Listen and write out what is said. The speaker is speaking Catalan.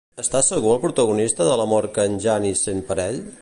Està segur el protagonista de l'amor que en Jani sent per ell?